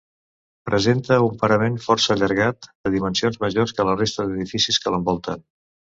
Presenta un parament força allargat, de dimensions majors que la resta d'edificis que l'envolten.